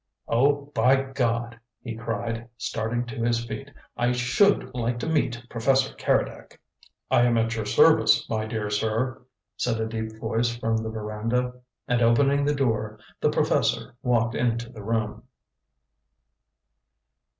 "Oh, by God!" he cried, starting to his feet; "I SHOULD like to meet Professor Keredec!" "I am at your service, my dear sir," said a deep voice from the veranda. And opening the door, the professor walked into the room.